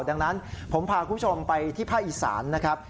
ดังนั้นผมพาคุณผู้ชมไปที่ภาคอีสานนะครับ